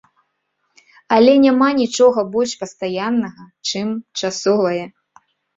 Але няма нічога больш пастаяннага, чым часовае.